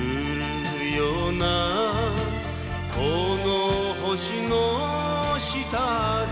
「この星の下で」